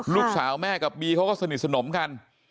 ลูกสาวแม่กับบีเขาก็สนิทสนมกัน